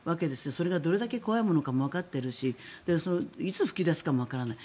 それがどれだけ怖いものかもわかっているしいつ噴き出すかもわからない。